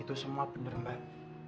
itu semua benar mbak